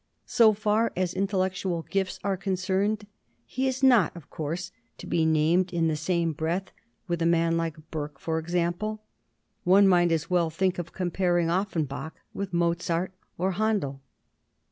So far as intellectual gifts are concerned, he is not, of course, to be named in the same breath with a man like Burke, for example ; one might as well think of comparing Offenbach with Mozart or Handel.